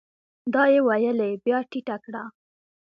دا يې ويلې بيا ټيټه کړه ؟